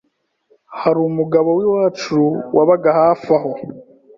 Hari umugabo w’iwacu wabaga hafi aho